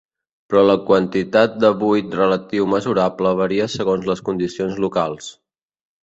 Però la quantitat de buit relatiu mesurable varia segons les condicions locals.